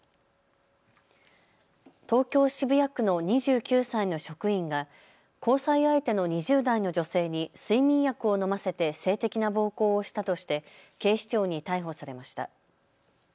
東京渋谷区の２９歳の職員が交際相手の２０代の女性に睡眠薬を飲ませて性的な暴行をしたとして警視庁に逮捕されました。